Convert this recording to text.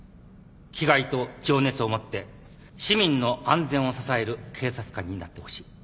気概と情熱を持って市民の安全を支える警察官になってほしい。